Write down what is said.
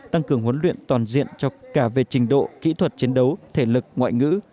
tăng cường huấn luyện toàn diện cả về trình độ kỹ thuật chiến đấu thể lực ngoại ngữ